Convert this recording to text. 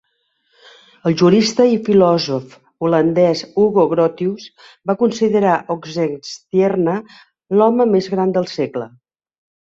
El jurista i filòsof holandès Hugo Grotius va considerar Oxenstierna "l'home més gran del segle".